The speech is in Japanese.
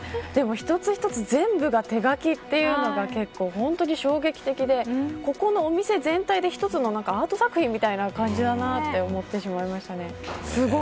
一つ一つ全部が手描きというのが結構本当に衝撃的でここのお店全体で一つのアート作品みたいな感じだなと思ってしまいましたね。